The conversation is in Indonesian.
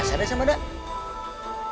saya ada sama neng